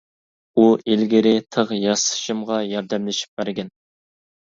ئۇ ئىلگىرى تىغ ياسىشىمغا ياردەملىشىپ بەرگەن.